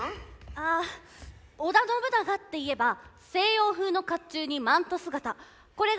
ああ織田信長っていえば西洋風の甲冑にマント姿これが有名でしょ。